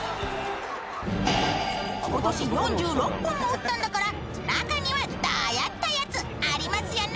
今年４６本も打ったんだから中にはドヤったやつありますよね